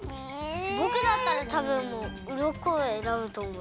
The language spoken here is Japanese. ぼくだったらたぶんうろこをえらぶとおもう。